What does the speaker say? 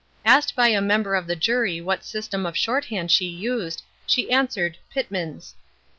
Asked by a member of the jury what system of shorthand she used, she answered, "Pitman's."